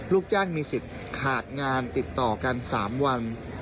ลูกจ้างมีสิทธิ์ขาดงานติดต่อกัน๓วัน